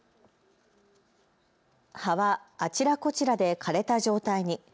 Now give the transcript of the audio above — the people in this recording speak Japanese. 葉はあちらこちらで枯れた状態に。